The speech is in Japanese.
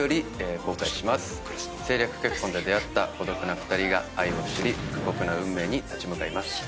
政略結婚で出会った孤独な２人が愛を知り過酷な運命に立ち向かいます。